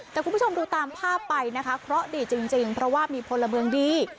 แต่คุณผู้ชมดูตามภาพไปนะคะเคราะห์ดีจริงเพราะว่ามีพลเมืองดี